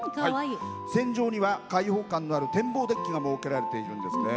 船上には開放感のある展望デッキが設けられてるんですね。